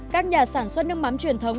các nhà sản xuất nước mắm truyền thống